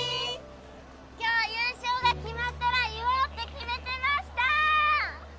今日優勝が決まったら言おうって決めてました！